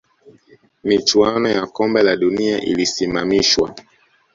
michuano ya Kombe la dunia ililisimamishwa